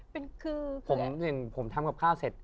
ผมทำกับข้าวเสร็จ